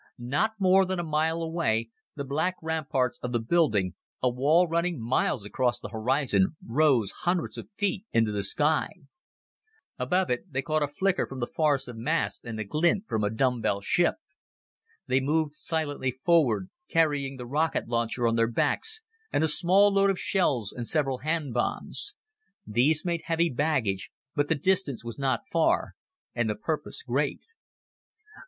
Not more than a mile away, the black ramparts of the building a wall running miles across the horizon rose hundreds of feet into the sky. Above it, they caught a flicker from the forest of masts and the glint from a dumbbell ship. They moved silently forward, carrying the rocket launcher on their backs and a small load of shells and several hand bombs. These made heavy baggage, but the distance was not far, and the purpose great.